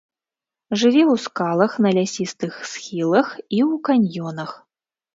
Жыве ў скалах, на лясістых схілах і ў каньёнах.